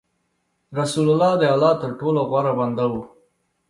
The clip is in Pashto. رسول الله د الله تر ټولو غوره بنده و.